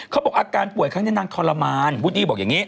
เขาบอกอาการป่วยข้างในนางทรมานวุฒิบอกอย่างนี้